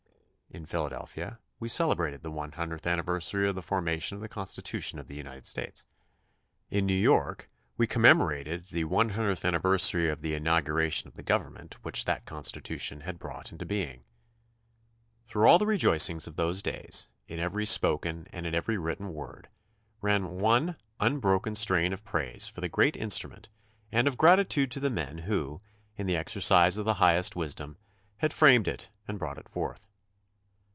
In Philadelphia we celebrated the one hundredth anniversary of the formation of the Constitution of the United States. In New York we commemorated the 34 THE CONSTITUTION AND ITS MAKERS one hundredth anniversary of the inauguration of the government which that Constitution had brought into being. Through all the rejoicings of those days, in every spoken and in every written word, ran one un broken strain of praise for the great instrument and of gratitude to the men who, in the exercise of the highest wisdom, had framed it and brought it forth.